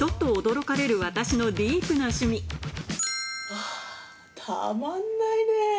あぁたまんないねぇ。